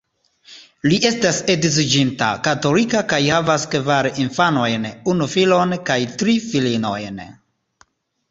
Li estas edziĝinta, katolika kaj havas kvar infanojn, unu filon kaj tri filinojn.